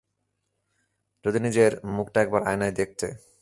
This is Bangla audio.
যদি নিজের মুখটা একবার আয়নায় দেখতে!